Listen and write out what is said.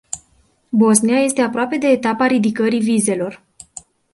Bosnia este aproape de etapa ridicării vizelor.